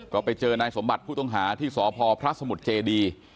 ก็ไปเจอนายสมบัติผู้ต้องหาที่สพพระสมุทรเจดี